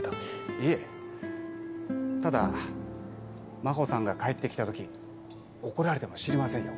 いえただ真帆さんが帰って来た時怒られても知りませんよ？